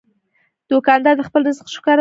دوکاندار د خپل رزق شکر ادا کوي.